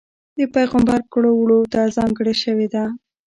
د پېغمبر کړو وړوته ځانګړې شوې ده.